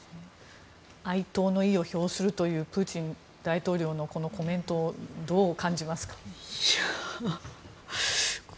哀悼の意を表するというプーチン大統領のこのコメントをどう感じますか？